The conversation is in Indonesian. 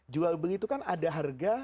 jual beli itu kan ada harga